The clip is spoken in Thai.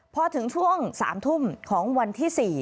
พอถึงช่วง๓ทุ่มของวันที่๔